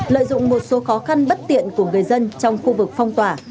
lợi dụng một số khó khăn bất tiện của người dân trong khu vực phong tỏa